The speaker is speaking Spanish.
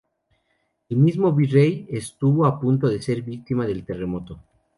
El mismo Virrey estuvo a punto de ser víctima del terremoto.